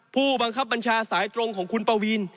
ผู้บังคับบัญชาสายตรงของคุณปวีน